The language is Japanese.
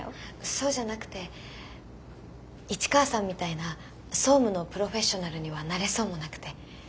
そうじゃなくて市川さんみたいな総務のプロフェッショナルにはなれそうもなくて。